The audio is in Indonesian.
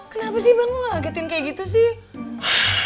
kenapa sih bang mau ngagetin kayak gitu sih